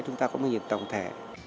chúng ta có một nghề tổng thể